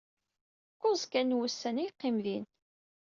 Kuẓ kan n wussan ay yeqqim din.